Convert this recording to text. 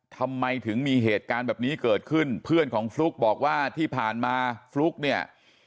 ทำไมถึงมีเหตุการณ์แบบนี้เกิดขึ้นเพื่อนของฟลุ๊กบอกว่าที่ผ่านมาฟลุ๊กเนี่ย